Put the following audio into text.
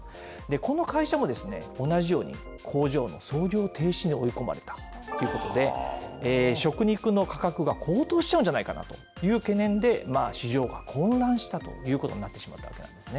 この会社も同じように、工場の操業停止に追い込まれたということで、食肉の価格が高騰しちゃうんじゃないかという懸念で、市場が混乱したということになってしまったわけなんですね。